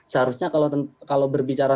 seharusnya kalau berbicara